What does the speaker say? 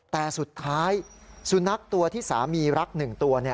แต่สุดท้ายสุนัขตัวที่สามีรัก๑ตัว